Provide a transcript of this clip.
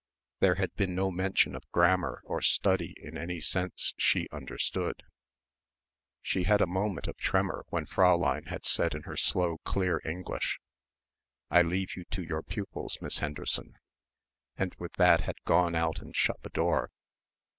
There had been no mention of grammar or study in any sense she understood. She had had a moment of tremor when Fräulein had said in her slow clear English, "I leave you to your pupils, Miss Henderson," and with that had gone out and shut the door.